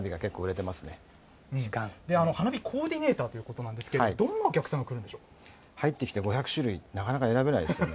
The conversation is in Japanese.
花火コーディネーターということなんですけれども、ど入ってきて５００種類、なかなか選べないですよね。